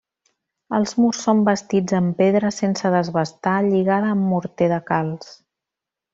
Els murs són bastits amb pedra sense desbastar lligada amb morter de calç.